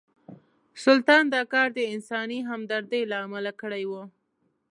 سلطان دا کار د انساني همدردۍ له امله کړی و.